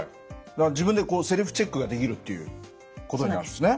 自分でセルフチェックができるっていうことになるんですね？